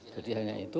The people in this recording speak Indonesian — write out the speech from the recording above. jadi hanya itu